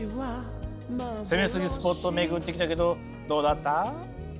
攻めすぎスポットを巡ってきたけどどうだった？